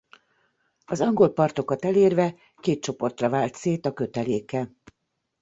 Az angol partokat elérve két csoportra vált szét a köteléke.